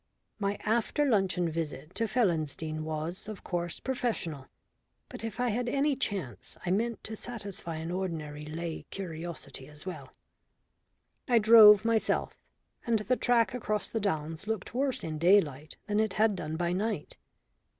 My after luncheon visit to Felonsdene was of course professional, but if I had any chance I meant to satisfy an ordinary lay curiosity as well. I drove myself, and the track across the downs looked worse in daylight than it had done by night.